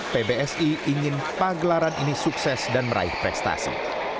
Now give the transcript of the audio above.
pbsi ingin pagelaran ini sukses dan meraih prestasi